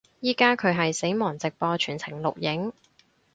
依家佢係死亡直播全程錄影